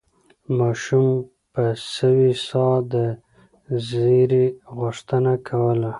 ماشوم په سوې ساه د زېري غوښتنه کوله.